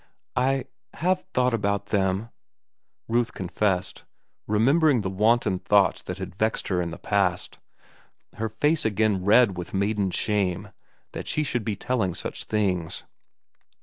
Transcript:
"I—have thought about them," Ruth confessed, remembering the wanton thoughts that had vexed her in the past, her face again red with maiden shame that she should be telling such things.